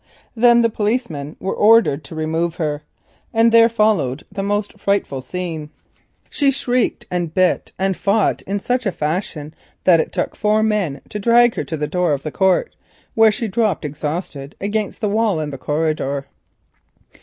Then policemen were ordered to remove her, and there followed a frightful scene. She shrieked and fought in such a fashion that it took four men to drag her to the door of the court, where she dropped exhausted against the wall in the corridor.